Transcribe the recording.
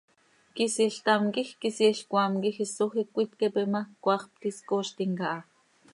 Quisiil ctam quij quisiil cmaam quij isoj iic cöitqueepe ma, cmaax pti scooztim caha.